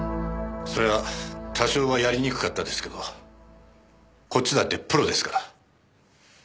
それは多少はやりにくかったですけどこっちだってプロですから。